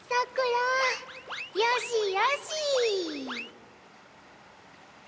よしよし！